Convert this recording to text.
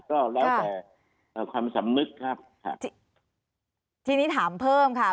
ก็แล้วแต่เอ่อความสำนึกครับค่ะทีนี้ถามเพิ่มค่ะ